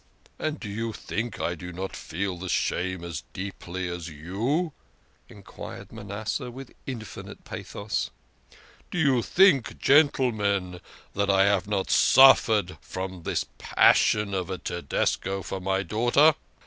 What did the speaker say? " And do you think I do not feel the shame as deeply as you?" enquired Manasseh, with infinite pathos. "Do you think, gentlemen, that I have not suffered from this passion of a Tedesco for my daughter?